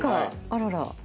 あらら。